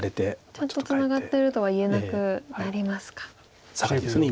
ちゃんとツナがってるとは言えなくなりますか。